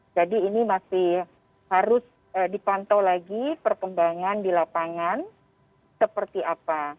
jadi ini masih harus dipantau lagi perkembangan di lapangan seperti apa